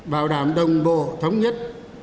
bảo đảm đồng bộ thống nhất